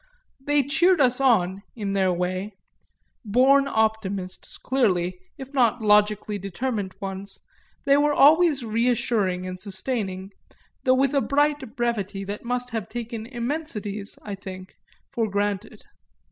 They cheered us on, in their way; born optimists, clearly, if not logically determined ones, they were always reassuring and sustaining, though with a bright brevity that must have taken immensities, I think, for granted.